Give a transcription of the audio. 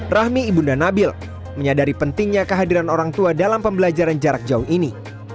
rahmi ibunda nabil menyadari pentingnya kehadiran orang tua dalam pembelajaran jarak jauh ini